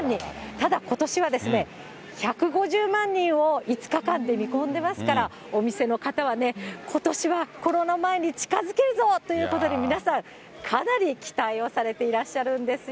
ただ、ことしはですね、１５０万人を５日間で見込んでますから、お店の方はね、ことしはコロナ前に近づけるぞということで、皆さん、かなり期待をされていらっしゃるんですよ。